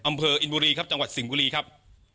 อำเภออินบุรีครับจังหวัดสิงห์บุรีครับ